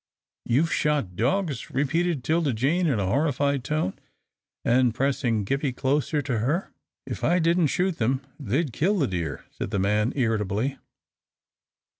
"You have shot dogs!" repeated 'Tilda Jane, in a horrified tone, and pressing Gippie closer to her. "If I didn't shoot them, they'd kill the deer," said the man, irritably.